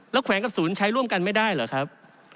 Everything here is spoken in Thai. แล้วแขวงกับศูนย์ใช้ร่วมกันไม่ได้เหรอครับ